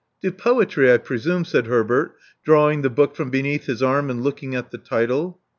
To poetry, I presume," said Herbert, drawing the book from beneath his arm and looking at the title.